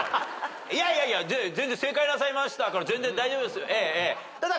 いやいやいや正解なさいましたから全然大丈夫ですよええ。